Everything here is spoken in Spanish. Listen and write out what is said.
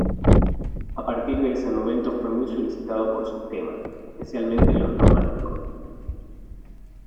A partir de ese momento fue muy solicitado por sus temas, especialmente los románticos.